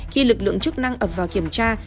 khi lực lượng chức năng ập vào kiểm tra